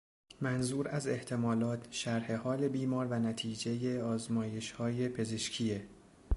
منظور از احتمالات، شرح حال بیمار و نتیجه آزمایشهای پزشکیه.